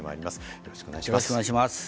よろしくお願いします。